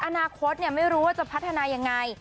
อนาคตไม่รู้ว่าจะพัฒนายังไง